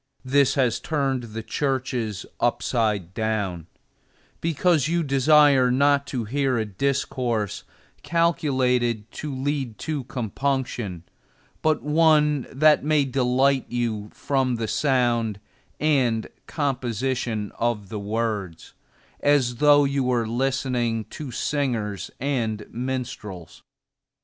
This has turned the churches upside down, because you desire not to hear a discourse calculated to lead to compunction, but one that may delight you from the sound and composition of the words, as though you were listening to singers and minstrels.